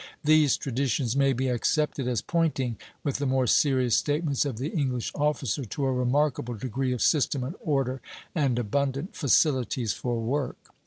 These traditions may be accepted as pointing, with the more serious statements of the English officer, to a remarkable degree of system and order, and abundant facilities for work.